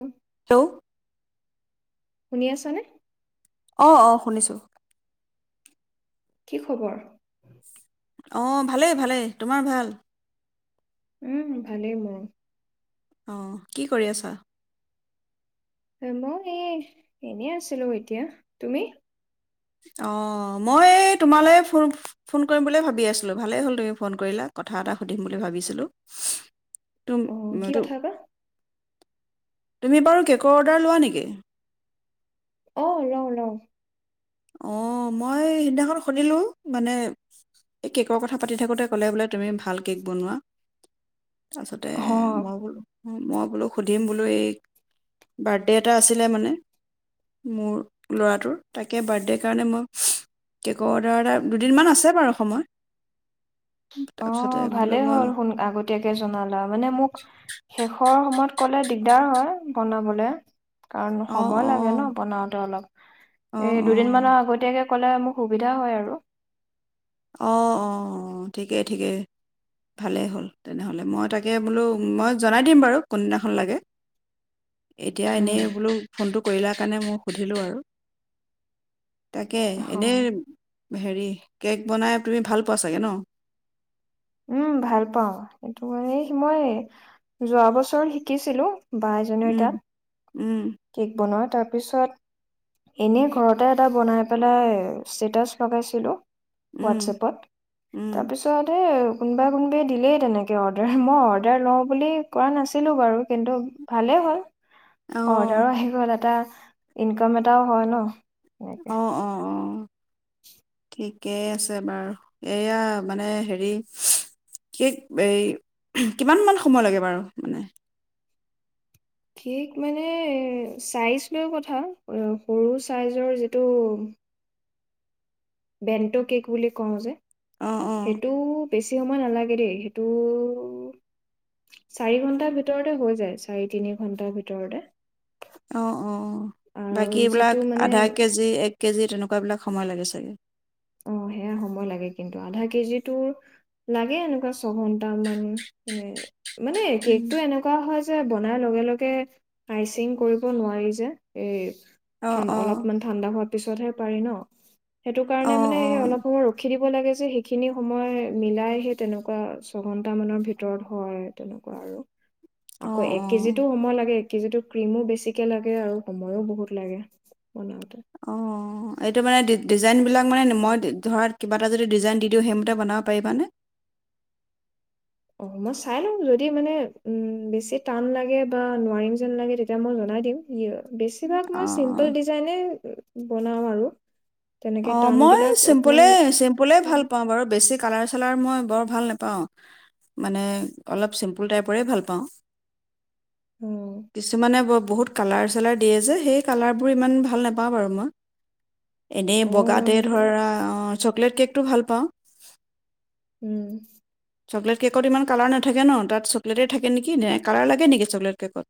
উ হ্ল' শুনি আছনে অ অ শুনিছো কি খবৰ অঁ ভালেই ভালেই তোমাৰ ভাল উম ভালেই মোৰ। অ কি কৰি আছা? মই এই এনেই আছিলো এতিয়া তুমি? অঁ মই তোমালৈ ফোন ফোন কৰিম বুলিয়ে ভাবি আছিলো ভালেই হ'ল তুমি ফোন কৰিলা কথা এটা সুধিম বুলি ভাবিছিলোঁ। তুম অ কি তু- কথা বা? তুমি বাৰু কেকৰ অৰ্ডাৰ লোৱা নেকি? অহ লওঁ লওঁ। অঁ মই সিদিনাখন সুধিলোঁ মানে এই কেকৰ কথা পাতি থাকোঁতে ক'লে বোলে তুমি ভাল কেক বনোৱা। তাৰপাছতে অ' মই কলো - মই বোলো সুধিম বোলো এই বাৰ্থডে' এটা আছিলে মানে মোৰ ল'ৰাটোৰ তাকে। তাকে বাৰ্থডেৰ কাৰণে মই কেকৰ অৰ্ডাৰ এটা দুদিনমান আছে বাৰু সময়- অ তাৰপিছতে বোলো ভালেই মই হ'ল শুন আগতীয়াকে জনালা মানে মোক শেষ- ৰ সময়ত ক'লে দিগদাৰ হয় বনাবলৈ- কাৰণ অ', সময় লাগে অ', ন বনাওতে অলপ অ', এই দুদিন মানৰ অ', আগতীয়াকে- সুবিধা হয় আৰু- অঁ অঁ ঠিকেই ঠিকেই ভালেই হ'ল তেনেহ'লে মই তাকে বোলো মই জনাই দিম বাৰু কোনদিনাখন লাগে, এতিয়া উম, এনেই বোলো ফোনটো কৰিলা কাৰণে মই সুধিলোঁ আৰু- তাকে অ' এনেই- হেৰি- কেক বনাই তুমি ভাল পোৱা চাগে ন? উম ভাল পাওঁ সেইটো কাৰনে মই যোৱা বছৰ শিকিছিলোঁ। বা এজনীৰ তাত। উম উম কেক বনোৱা তাৰপিছত এনেই ঘৰতে এটা বনাই পেলাই ষ্টেটাচ লগাইছিলো। উম হোৱাটছএপত উম তাৰপিছতে- কোনোবাই কোনোবাই দিলেই তেনেকৈ অৰ্ডাৰ মই অৰ্ডাৰ লওঁ বুলি কৰা নাছিলোঁ বাৰু কিন্তু ভালেই হ'ল। অ', অৰ্ডাৰো আহি গ'ল এটা ইনকাম এটাও হয় ন। এনেকে অ অ অ। ঠিকেই আছে বাৰু এয়া মানে হেৰি কি এই কিমান মান সময় লাগে বাৰু মানে? কেক মানে চাইজ লৈও কথা সৰু চাইজৰ যিটো- বেণ্ট কেক বুলি কওঁ যে- অ', অ', সেইটো- বেছি সময় নালাগে দেই সেইটো চাৰি ঘন্টাৰ ভিতৰতে হৈ যায় চাৰি তিনি ঘন্টাৰ ভিতৰতে। অ অ বাকী আৰু এইবিলাক যিটো মানে আধা কেজি এক- কেজি তেনেকুৱা বিলাক সময় লাগে চাগে। অ সেয়া সময় লাগে কিন্তু আধা কেজি তো লাগে এনেকুৱা ছঘন্টামান মানে- মানে কেকটো এনেকুৱা হয়- যে বনাৰ লগে লগে আইচিং কৰিব নোৱাৰি যে এই- অঁ অঁ অলপমান ঠাণ্ডা হত - পিছতহে পাৰি ন? সেইটো কাৰণে আ অঁ অঁ অলপ সময় ৰখি দিব লাগে যে সেইখিনি সময় মিলাইহে তেনেকুৱা ছঘন্টা মানৰ ভিতৰত হয় তেনেকুৱা আৰু আকৌ অঁ এক অঁ কেজিতোও সময় লাগে কি যো ক্ৰীমো বেছিকে লাগে আৰু সময়ো বহুত লাগে বনাওতে অঁ এইটো মানে ডিজাইনবিলাক মানে মই ধৰা কিবা এটা যদি ডিজাইন দি দিওঁ সেইমতে বনাব পাৰিবানে অ মই চাই লওঁ যদি মানে উম বেছি টান লাগে বা নোৱাৰিম যেন লাগে তেতিয়া মই জনাই দিম ই বেছিভাগ মই অঁ চিম্পল অঁ ডিজাইনে বনাওঁ আৰু তেনেকে অ মই টানবিলাক চিম্পুল অকমান চিম্পলে কষ্ট ভাল হয়। পাওঁ বাৰু বেছিক কালাৰ চালাৰ মই বৰ ভাল নোপাওঁ মানে অলপ চিম্পুল টাইপৰে ভাল পাওঁ অ কিছুমানে বুত কাৰ চালাৰ দিয়ে যে সেই কালাৰবোৰ ভাল নাপাওঁ বাৰু মই এনেই অ বগাতে সেইবিলাক ধৰা চকলেট কেকটো ভাল পাওঁ উম চকলেট কেকত ইমান কালাৰ নাথাকে ন তাত চকলেটেই থাকে নেকি কালাৰ লাগে নেকি চকলেট কেকত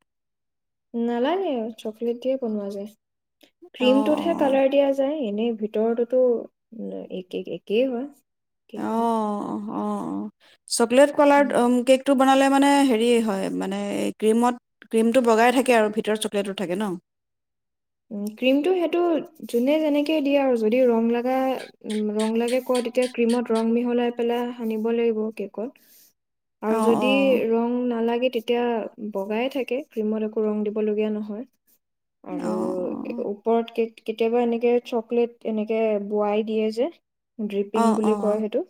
নালানানে চকলেট দিয়ে বনোৱা যায় অঁ ক্ৰীমটোতহে অঁ কালাৰ দিয়া যায় এনেই ভিতৰতোতো একে একেই হয় কি কোৱা অ অ চকলেট কালাৰ্ কেকটো বনালে মানে হে হয় মানে কমত ক্ৰীমটো বগাই থাকে আৰু ভিতৰত চকলেটোটো থাকে ন ক্ৰীমটো সেইটো যোনে যেনেকে দিয়ে আৰু যদি ৰং লগা ৰং লগাকে কয় তেতিয়া ক্ৰীমত ৰং মিহলাই পেলাই সানিব লাগিব কেকত আৰু অঁ যদি অঁ ৰং নালাগে তেতিয়া বগাই থাকে ক্ৰীমত একো ৰং দিবলগীয়া নহয় আৰু আৰু অঁ ওপৰত কেতিয়াবা এনেকে চকলেট এনেকে বোৱাই দিয়ে যে অঁ ড্ৰিপিং বুলি অঁ কয় সেইটো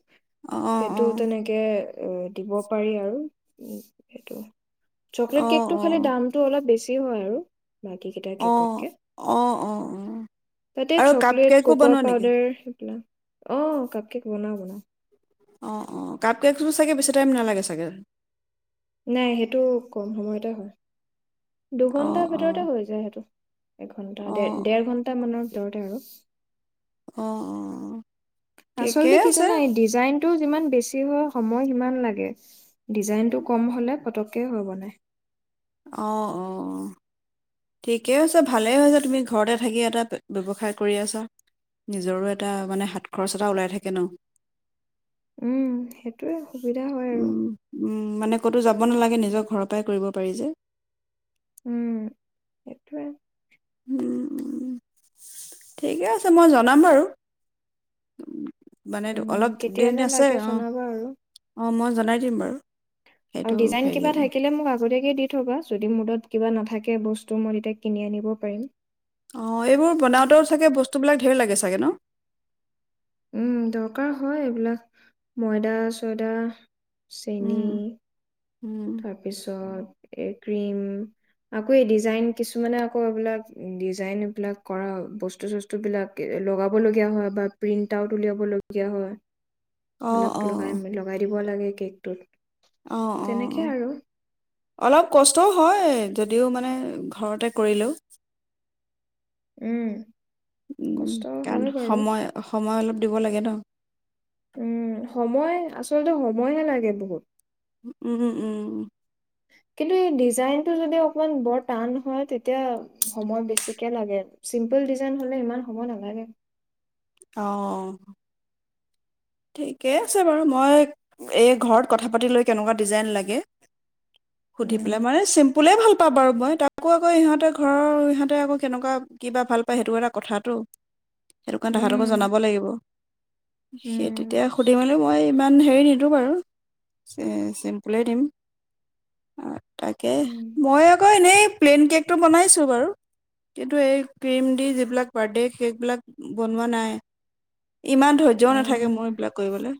অঁ অঁ সেইটো তেনেকে দিব পাৰি আৰু সেইটো অঁ অঁ চকলেট অঁ কেকটো খালি দামটো অলপ বছি বে হয় আৰু বাকী কেইটাক অঁ অঁ অঁ অঁ তাতে আৰু কাপ চকলেট কেকো ককোৱা বনোৱা নেকি পাউদাৰ সেইবিলাক আহ কাপ কেক বনাও বনাও অ অ কাপ কেকো চাগে বেছি টাইম নালাগে চাগে নাই সেইটো কম সময়তে হয় অঁ দুঘন্টাৰ অঁ ভিতৰতে হৈ যায় সেইটো এঘন্টা ডেৰ অঁ ডেৰ ঘণ্টা মানৰ ভিতৰতে আৰু অঁ অঁ ঠিকে আচলতে কি আছে জানা এই ডিজাইন যিমান বেছি হয় সময় সিমান লাগে ডিজাইনটো কম হলে পটককে অঁ অঁ ঠিকেই হৈছে ভালেই হৈছে তুমি ঘৰতে থাকি এটা ব্যৱসায় কৰি আছা নিজৰো এটা মানে হাত খৰচ এটা ওলাই থাকে ন উম সেইটোয়ে সুবিধা হয় আৰু মানে কতো যাব নালাগে নিজৰ ঘৰৰ পৰাই কৰিব পাৰি যে উম সেইটোৱে ঠিকে আছে মই জনাম বাৰু মানে উম অলপ দেৰি কেতিয়ালে আছে লাগে অ জনাবা আৰু অ মই জনাই দিম বাৰু আৰু সেইটো ডিজাইন হেৰি কিবা থাকিলে মোক আগতীয়াকে দি থবা যদি মডত কিবা নাপ থাকে বস্তু মই তেতিয়া কিনি আনিব পাৰিম অ এইবোৰ বনাওঁতেও চাগে বস্তুবিলাক ঢেৰ লাগে চাগে ন উম দৰকাৰ হয় এইবিলাক ময়দা চয়দা চেনি উম, উম। তাৰপিছত এ ক্ৰীম আকৌ এই ডিজাইন কিছুমানে আকৌ এইবিলাক ডিজাইন এইবিলাক কৰা বস্তু চস্তু বিলাক লগাব লগীয়া হয় বা প্ৰিন্ট আউট উলিয়াব লগীয়া হয় অঁ অঁ লগাই লগাই লাগে কেকটোত অ অ তেনেকে অ আৰু অলপ কষ্টও হয় যদিও মানে ঘৰতে কৰিলেও উম কষ্ট উম কাৰণ হয় বাৰু সময় সময় অলপ দিব লাগে ন উম সময় আচলতে সময়হে লাগে বহুত উম উম কিন্তু এই ডিজাইনটো যদি অকমান বৰ টান হয় তেতিয়া সময় বেছিকে লাগে চিম্পুল ডিজাইন হ'লে ইমান সময় নালাগে অঁ অঁ ঠিকে আছে বাৰু মই এই ঘৰত কথা পাতি লৈ কেনেকুৱা ডিজাইন লাগে সুধি উম পেলাই মানে চিম্পুল ভাঁল প পা বাৰু মই তাকো আকৌ ইহঁতে ঘৰৰ ইহঁতে আকৌ কেনেকুৱা কিবা ভাল পায় সেইটো এটা কথাাতটো সেইটো কাৰণে তাহাঁতকো উম জনাব লাগিব স উম তেতিয়া সুধিমেলো মই ইমান হেৰি নিদিওঁ বাৰু চি চিম্পুলেই দিম আ তাকে উম মই আক এনেই প্লেইন কেকটো বনাইছোঁ বাৰু কিন্তু এই ক্ৰীম দি যিবিলাক বাৰ্থডে সেইকবিলাক বনোৱা নাই। ইমান ধৈৰ্যও নাথাকে মোৰ। অ বিলাক কৰিবলৈ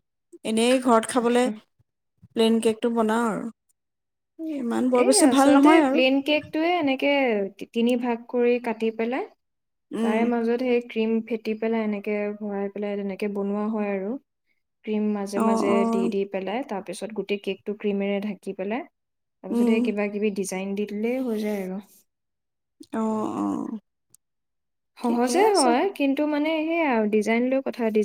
এনেই ঘৰত খাবলে প্লেইন কেকটো বনাও আৰু। ইমান বৰ এই বেছি ভাল আচলতে নহয় আৰু প্লেইন কেকটোয়ে এনেকে টি তিনি ভাগ কৰি কাটি পেলাই। উম তাৰে মাজত সেই ক্ৰীম ফেটি পেলাই এনেকে ভৰাই পেলাই তেনেকে বনোৱা হয় আৰু। ক্ৰীম মাজে অ মাজে অ দি দি পেলাই তাত। তাৰপিছত গোটেই কেক টো ক্ৰীমেৰে ঢাকি পেলাই। উম তাৰপিছতে কিবা কিবি দিছ লাইন দি দিলেই হৈ যায় আৰু। অঁ', অঁ। সহজে হয় কিন্তু মানে সেইয়া আৰু ডিজাইন লৈ কথা ডি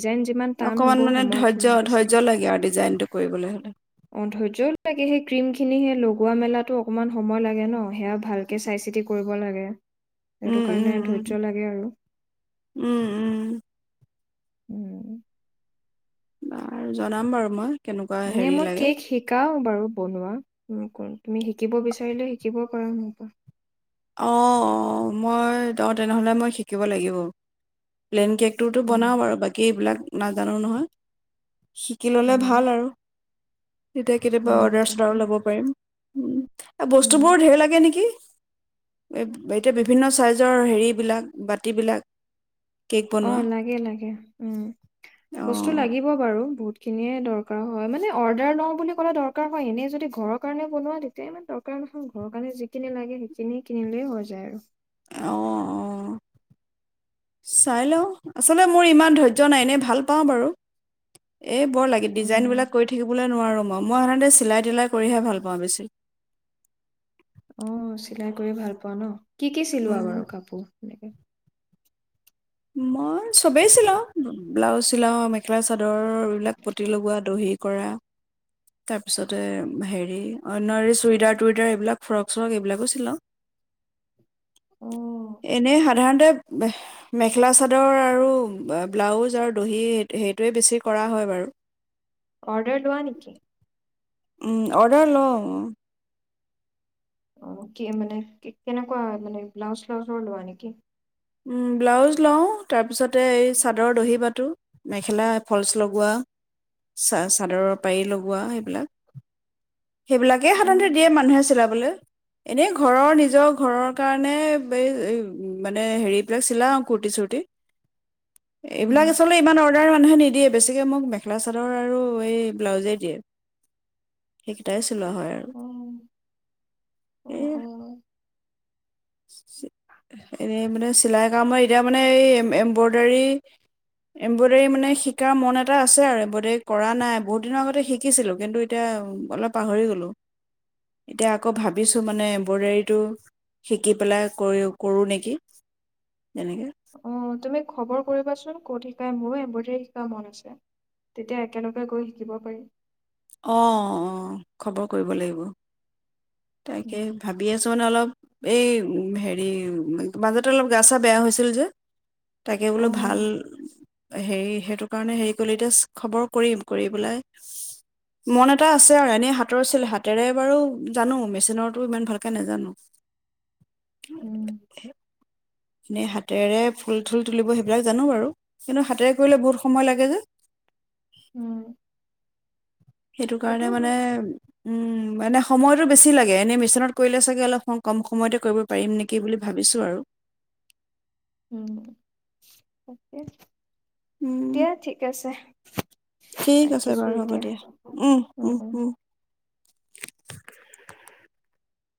অকণমান মানে ধৈৰ্য্য ধৈৰ্য্য লাগে আৰু ডিজাইনটো কৰিবলৈ হ'লে। অঁ', ধৈয্য লাগে সেই ক্ৰীম খিনি সে লগোৱা মেলাতো অকনমান সময় লাগে ন সেয়া ভালকে চাই চিতি কৰিব লাগে। সেইটো উম, কাৰণে ধৈৰ্য লাগে উম, আৰু উম, উম, উম। উম। বাৰু জনাম বাৰু মই। কেনেকুৱা নে হেৰি মই লাগে কেক শিকাওঁ। বাৰু বনোৱা তুমি শিকিব বিচাৰিলে শিকিব পৰা মোৰ পা। অ', অ', মই অ', তেনেহ'লে মই শিকিব লাগিব প্লেইন কেক তোৰটো উম বনাও বাৰু বাকী এইবিলাক নাজানো নহয়। শিকিললে উম ভাল আৰু। তেতিয়া কেতিয়াবা উম অৰ্ডাৰ তাকে চৰ্ডাৰো ল'ব পাৰিম। উম। বস্তু উম বোৰো ধেৰ লাগে নেকি? [unintelligible] এতিয়া বিভিন্ন ছাইজৰ হেৰিবিলাক বাতিবিলাক। কেক অ বনোৱা লাগে লাগে বস্তু অঁ লাগিব বাৰু বুত খিনিয়ে দৰকাৰ হয় মানে অৰ্ডাৰ লওঁ বুলি ক'লে দৰকাৰ হয় এনেই যদি ঘৰৰ কাৰনেে বনোৱা তেতিয়া ইমান দৰকাৰ নহয় ঘৰৰ কাৰণে যিখিনি লাগে সেইখিনি কিনিলে হৈ যায় আৰু অ অ চাই লওঁ আচলতে মোৰ ইমান ধৈৰ্য্য নাই এনে ভাল পাওঁ বাৰু এই বৰ লাগে অ ডিজাইনবিলাক কৰি থাকিবলৈ নোৱাৰোঁ মই অ মই সাধাৰণতে চিলাই তিলাই কৰিহে ভাল পাওঁ বেছি অ চিলাই কৰিয় ভাল পোৱা ন কি কি চিলোৱা উম, বাৰু কাপোৰ এনেকে মই চবেই চিলাওঁ ব্লাউজ চিলাওঁ মেখেলা চাদৰ এইবিলাক পতি লগোৱা দহি কৰা তাৰপিছতে হেৰি অন্য চুৰিডাৰ টুৰিডাৰ এইবিলাক ফ্ৰক চৰক এইবিলাকো অ চিলাওঁ এনে সাধাৰণতে মেখেলা চাদৰ আৰু ব্লাউজ আৰু দহি সেইটোৱেই বেছি কৰা হয় বাৰু অৰ্ডাৰ লোৱা নেকি উম অৰ্ডাৰ লওঁ অ কি মানে কেনেকুৱা মানে ব্লাউজ চ্লাউজৰ লোৱা নেকি ব্লাউজ লওঁ তাৰপিছতে এই চাদৰৰ দহি পাতো মেখেলা ফলচ লগোৱাা চাদৰৰ পাৰি লগোৱা সেইবিলাক সেইবিলাকে সাধাৰণতে দিয়ে অ', মানুহে চিলাবলৈ এনেই ঘৰৰ নিজৰ ঘৰৰ কাৰণে এই মানে মানে হেৰিবিলাক চিলা অ কুুৰ্তি চূুৰটি এইবিলাক উম। আচলতে ইমান অৰ্ডাৰ মানুহেকি দিয়ে বেছিকে মোক মেখেলা চাদৰ আৰু এই ব্লাউজেই দিয়ে সেইকেইটাই চোৱা হয় আৰু অ', অ', সেইে অ', এনে মানে চিলাই কামত এতিয়া মানে এই এমব্ৰইডাৰী এম্ব্ৰইডাৰী মানে শিকাৰ মন এটা আছে আৰু এমব্ৰইডাৰী কৰা নাই বহুত দিনৰ আগতে শিকিছিলোঁ কিন্তু এতিয়া অলপ পাহৰি গ'লো এতিয়া আকৌ ভাবিছোঁ মানে এম্ব্ৰইডোৰীটো [unintelligible] শিকি পেলাই কৰি কৰো নেকি তেনেকে অ' তুমি খবৰ কৰিবাচোন। ক'ত শিকাই মোৰো এম্ব্ৰডাৰৰী শিকা মন আছে। তেতিয়া একেলগে গৈ শিকিব পাৰি। অ' অ'খবৰ কৰিব লাগিব। তাকে উম, ভাবি আছো মানে অলপ এই হেৰি মাজতে অলপ গা চা বেয়া হৈছিল যে। তাকে বোলো ভাল। অ', হেৰি সেইটো কাৰণে হেৰি কৰিলি এতিয়া খবৰ কৰিম কৰি পেলাই এনেই মন এটা আছে আৰু এনে হাতৰছিল হাতেৰে বাৰু জানো মেচিনৰতো ইমান ভালকে নাজানো উম, এনেই হাতেৰে ফুল থুল তুলিব সেইবিলাক জানো বাৰু কিন্তু হাতেৰে কৰিলে বহুত সময় লাগে যে। উম, সেইটো কাৰণে সেইটোও মানে হয়, উম। মানে সময়টো বেছি লাগে এনেই মেচিনত কৰিলে চাগে অলপ কম সময়তে কৰিব পাৰিম নেকি বুলি ভাবিছোঁ আৰু। উম তাকে। উম দিয়া ঠিক আছে। ঠিক আছে ৰাখিছোঁ বাৰু হ'ব এতিয়া, দিয়া উম- উম- উম।